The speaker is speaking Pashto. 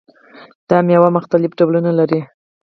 دا میوه مختلف ډولونه لري.